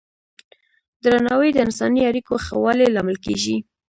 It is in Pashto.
درناوی د انساني اړیکو ښه والي لامل کېږي.